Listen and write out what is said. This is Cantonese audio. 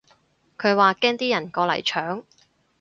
佢話驚啲人過嚟搶